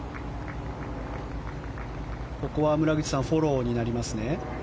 ここは村口さんフォローになりますね。